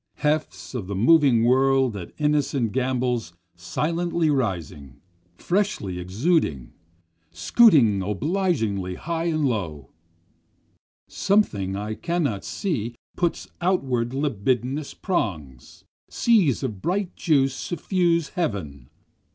Hefts of the moving world at innocent gambols silently rising freshly exuding, Scooting obliquely high and low. Something I cannot see puts upward libidinous prongs, Seas of bright juice suffuse heaven.